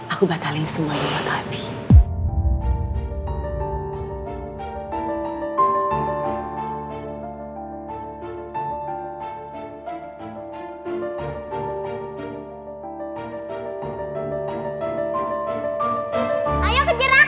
aku batalin semua imot abie